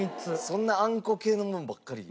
そんなあんこ系のもんばっかり。